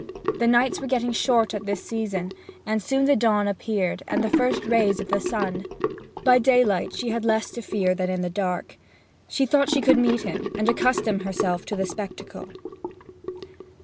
The nights were getting short at this season, and soon the dawn appeared, and the first rays of the sun. By daylight she had less fear than in the dark. She thought she could meet him, and accustom herself to the spectacle.